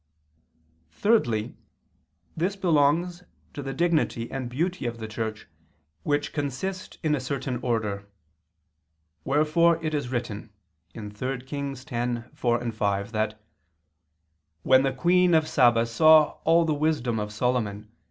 Thirdly, this belongs to the dignity and beauty of the Church, which consist in a certain order; wherefore it is written (3 Kings 10:4, 5) that "when the queen of Saba saw all the wisdom of Solomon